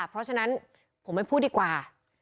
เพราะฉะนั้นผมไม่พูดดีกว่า